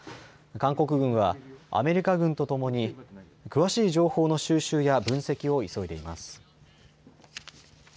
韓国軍はアメリカ軍とともに詳しい情報の収集や分析を急いでいます。